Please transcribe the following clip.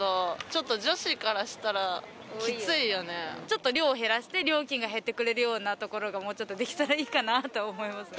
ちょっと量を減らして料金が減ってくれるようなところがもうちょっとできたらいいかなと思います